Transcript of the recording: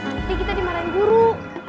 nanti kita dimarahin guru